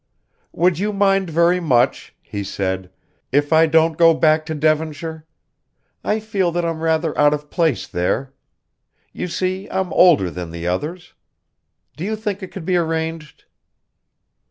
"Would you mind very much," he said, "if I don't go back to Devonshire? I feel that I'm rather out of place there. You see, I'm older than the others. Do you think it could be arranged?"